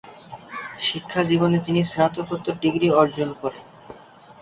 শিক্ষাজীবনে তিনি স্নাতকোত্তর ডিগ্রি অর্জন করেন।